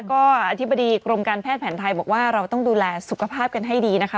ก็อธิบดีกรมการแพทย์แผนไทยบอกว่าเราต้องดูแลสุขภาพกันให้ดีนะคะ